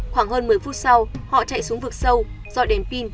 khoảng hơn một mươi phút sau họ chạy xuống vực sâu dọn đèn pin